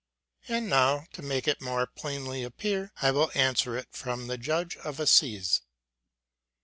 And now, to make it more plainly appear, I will answer it from the judge of assize.